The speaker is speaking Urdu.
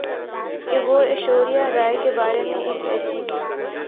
کہ وہ ایشوریا رائے کے بارے میں ایک ایسی